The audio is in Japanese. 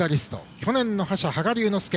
去年の覇者、羽賀龍之介。